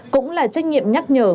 cũng là trách nhiệm nhắc nhở